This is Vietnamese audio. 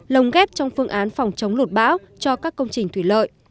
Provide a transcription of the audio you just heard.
lồng ghép trong phương án phòng chống lụt bão cho các công trình thủy lợi